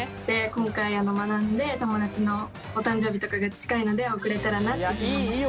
今回学んで友達のお誕生日とかが近いので贈れたらなと思います。